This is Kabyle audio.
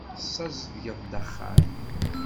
Tessazedgeḍ-d axxam.